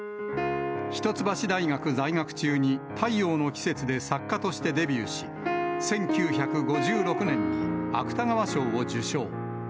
一橋大学在学中に、太陽の季節で作家としてデビューし、１９５６年に芥川賞を受賞。